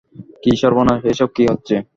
কী সর্বনাশ, এ-সব কী হচ্ছে!